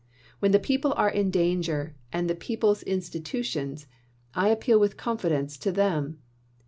When the people are in danger, and the people's institu tions, I appeal with confidence to them.